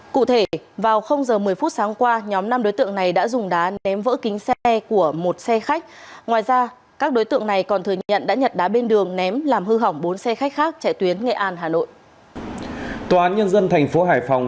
cụ thể vào giờ một mươi phút sáng qua nhóm năm đối tượng này đã dùng đá ném vỡ kính xe của một xe khách ngoài ra các đối tượng này còn thừa nhận đã nhặt đá bên đường ném làm hư hỏng bốn xe khách khác chạy tuyến nghệ an hà nội